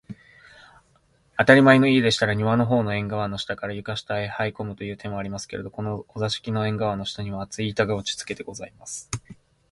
あたりまえの家でしたら、庭のほうの縁がわの下から、床下へはいこむという手もありますけれど、このお座敷の縁がわの下には、厚い板が打ちつけてございます